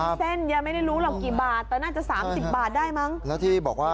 คุณยายไม่ได้เอาไฟหมดเลยค่ะ